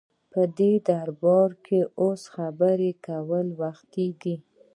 په دی باره کی اوس خبری کول وختی دی